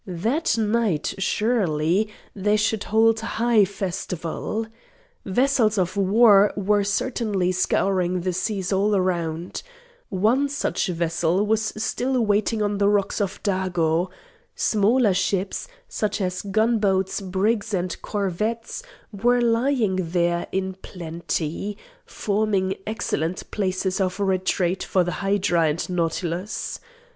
That night, surely, they should hold high festival. Vessels of war were certainly scouring the seas all around. One such vessel was still wanting on the rocks of Dago. Smaller ships, such as gunboats, brigs and corvettes, were lying there in plenty, forming excellent places of retreat for the hydra and nautilus.